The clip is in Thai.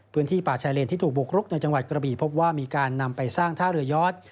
พื้นที่ป่าชายเลนที่ถูกบุกรุกในจังหวัดกระบีพบว่ามีการนำไปสร้างท่าเรือยอด